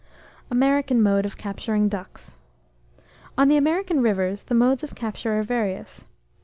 AMERICAN MODE OF CAPTURING DUCKS. On the American rivers, the modes of capture are various.